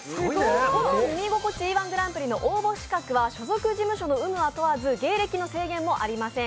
「耳心地いい−１グランプリ」の応募資格は所属事務所の有無は問わず芸歴の制限もありません。